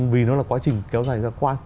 vì nó là quá trình kéo dài ra qua